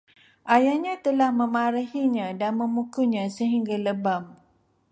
Ayahnya telah memarahinya dan memukulnya sehingga lebam